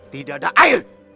tidak ada air